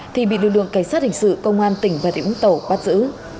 thì bị lưu lượng cảnh sát hình sự công an tỉnh và riêng tàu bắt giữ